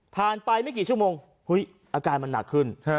ไปไม่กี่ชั่วโมงอาการมันหนักขึ้น